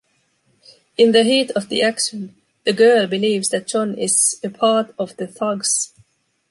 In the heat of the action, the girl believes that John is a part of the thugs.